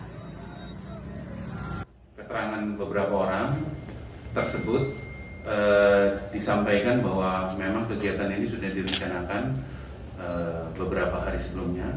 keterangan beberapa orang tersebut disampaikan bahwa memang kegiatan ini sudah direncanakan beberapa hari sebelumnya